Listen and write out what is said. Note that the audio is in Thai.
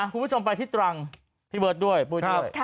คุณผู้ชมไปที่ตรังพี่เบิร์ตด้วยปุ้ยด้วย